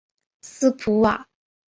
斯普瓦。